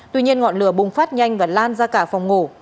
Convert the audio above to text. tuy nhiên ngọn lửa bùng phát nhanh và lan ra cả phòng ngủ